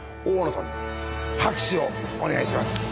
大野さんに拍手をお願いします。